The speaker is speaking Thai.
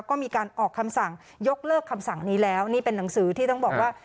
ก็มีการออกคำสั่งยกเลิกคำสั่งนี้แล้วนี่เป็นหนังสือที่ต้องบอกว่า